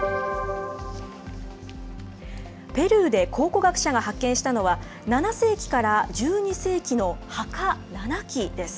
ペルーで考古学者が発見したのは７世紀から１２世紀の墓７基です。